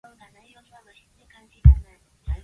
In the afternoon the Bottoms was intolerable.